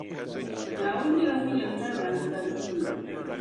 Naawuni nyεla ŋun yεn mali ba ansarisi yo.